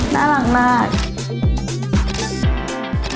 น่ารักมาก